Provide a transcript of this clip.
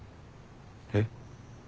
えっ？